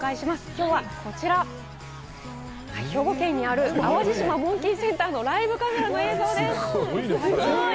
きょうはこちら、兵庫県にある淡路島モンキーセンターのライブカメラの映像です。